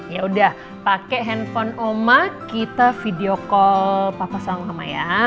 yaudah pake handphone mama kita video call papa sama mama ya